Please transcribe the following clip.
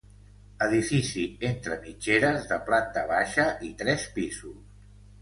Edifici entre mitgeres, de planta baixa i tres pisos.